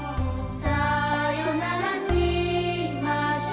「さよならしましょ。」